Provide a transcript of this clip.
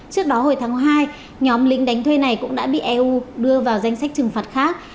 trước đó hồi tháng hai nhóm lính đánh thuê này cũng đã bị eu đưa vào danh sách trừng phạt khác